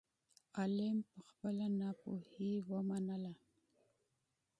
عالم په خپلې ناپوهۍ اعتراف وکړ.